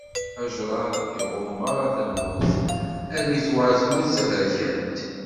Ajṛad iɣumm meṛṛa tamurt armi i tuɣal tmurt d taberkant.